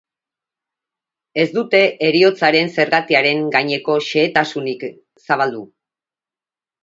Ez dute heriotzaren zergatiaren gaineko xehetasunik zabaldu.